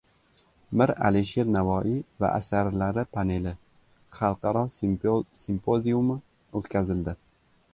«Mir Alisher Navoiy va asarlari paneli» xalqaro simpoziumi o‘tkazildi